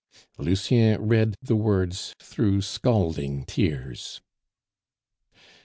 Lucien read the words through scalding tears.